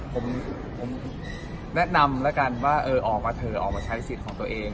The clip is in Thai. ผมแนะนำแล้วกันว่าเออออกมาเถอะออกมาใช้สิทธิ์ของตัวเอง